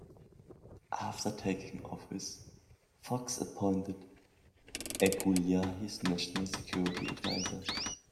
After taking office, Fox appointed Aguilar his national security advisor.